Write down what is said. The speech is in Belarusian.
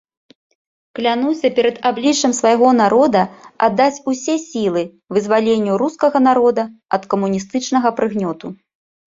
Клянуся перад абліччам свайго народа аддаць усе сілы вызваленню рускага народа ад камуністычнага прыгнёту.